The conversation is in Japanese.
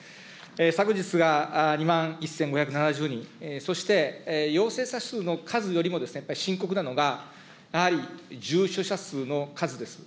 昨日は２万１５７０人、そして陽性者数の数よりもですね、深刻なのが、やはり重症者数の数です。